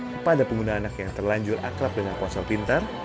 kepada pengguna anak yang terlanjur akrab dengan ponsel pintar